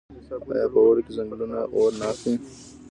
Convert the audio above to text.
آیا په اوړي کې ځنګلونه اور نه اخلي؟